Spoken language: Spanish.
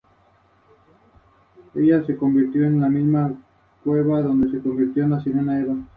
Tiene cuatro torres.